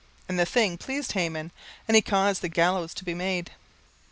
And the thing pleased Haman; and he caused the gallows to be made.